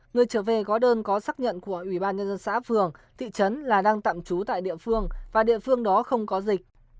người trở về gói đơn có xác nhận của ủy ban nhân dân xã phường thị trấn là đang tạm trú tại địa phương và địa phương đó không có dịch